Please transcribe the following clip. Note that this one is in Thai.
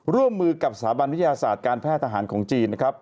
ร่วมมือกับสถาบันวิทยาศาสตร์การแพทย์ทหารของจีนนะครับ